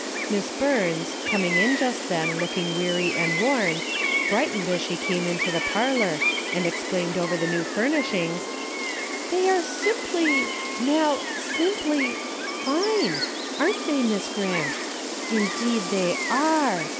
Miss Burns, coming in just then looking weary and worn, brightened as she came into the parlor and exclaimed over the new furnishings, " They are simply, — now — simply— — aren't they. Miss Grant ? Indeed they are